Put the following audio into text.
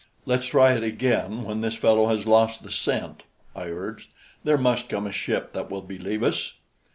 "Let's try it again when this fellow has lost the scent," I urged. "There must come a ship that will believe us."